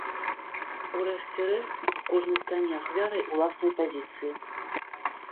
У рэшце рэшт, кожны стане ахвярай уласнай пазіцыі.